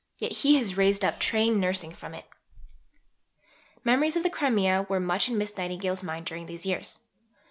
Yet He has raised up Trained Nursing from it!" Memories of the Crimea were much in Miss Nightingale's mind during these years.